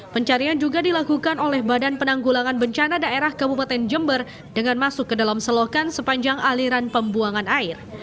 pencarian juga dilakukan oleh badan penanggulangan bencana daerah kabupaten jember dengan masuk ke dalam selokan sepanjang aliran pembuangan air